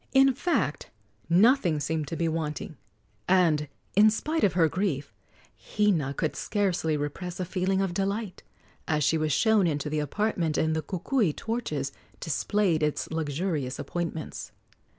In fact, nothing seemed to be wanting, and, in spite of her grief, Hina could scarcely repress a feeling of delight as she was shown into the apartment and the kukui torches displayed its luxurious appointments.